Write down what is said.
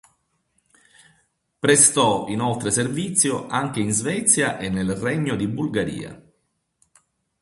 Prestò inoltre servizio anche in Svezia e nel Regno di Bulgaria.